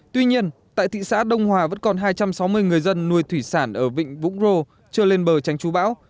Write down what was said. tuy nhiên tại thị xã đông hòa vẫn còn hai trăm sáu mươi người dân nuôi thủy sản ở vịnh vũng rô chưa lên bờ tránh chú bão